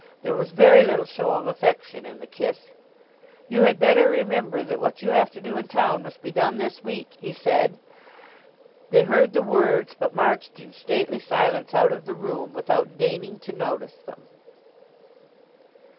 There was very little show of affection in the kiss. "You had better remember that what you have to do in town must be done this week," he said. They heard the words, but marched in stately silence out of the room without deigning to notice them.